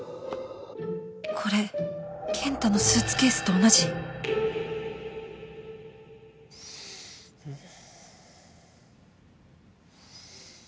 これ健太のスーツケースと同じんっ。